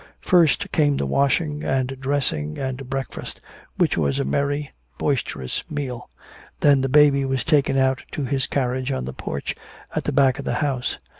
First came the washing and dressing and breakfast, which was a merry, boisterous meal. Then the baby was taken out to his carriage on the porch at the back of the house.